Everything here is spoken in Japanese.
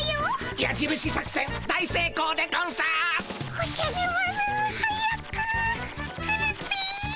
おじゃる丸早く来るっピィ。